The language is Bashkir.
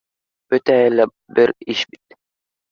Бөтәһе лә бер иш бит!